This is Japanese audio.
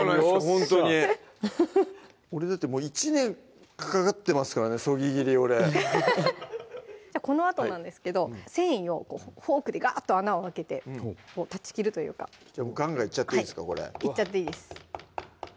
ほんとに俺だって１年かかってますからねそぎ切り俺このあとなんですけど繊維をフォークでガーッと穴を開けて断ち切るというかガンガンいっちゃっていいですかいっちゃっていいです